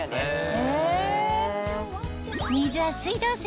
へぇ！